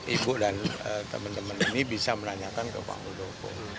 ibu dan teman teman ini bisa menanyakan ke pak muldoko